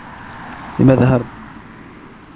لماذ هرب ؟